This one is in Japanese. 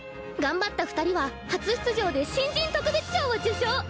頑張った２人は初出場で新人特別賞を受賞！